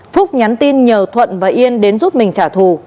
phúc nhắn tin nhờ thuận và yên đến giúp mình trả thù